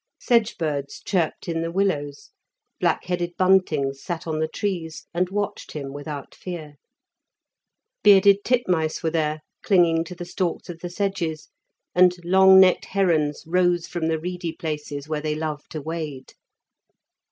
Sedge birds chirped in the willows; black headed buntings sat on the trees, and watched him without fear. Bearded titmice were there, clinging to the stalks of the sedges, and long necked herons rose from the reedy places where they love to wade.